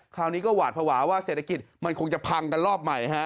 คราวนี้ก็หวาดภาวะว่าเศรษฐกิจมันคงจะพังกันรอบใหม่ฮะ